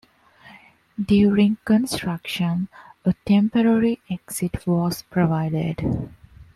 During construction a temporary exit was provided.